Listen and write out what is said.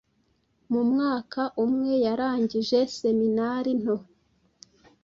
Mu mwaka umwe yarangije Seminari nto